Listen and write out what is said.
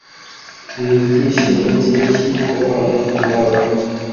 Nibyishimo byinshi kubana nawe